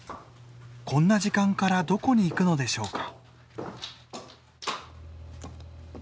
こんな時間からどこに行くのでしょうか。